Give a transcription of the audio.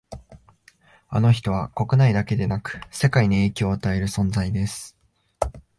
あの人は国内だけでなく世界に影響を与える存在です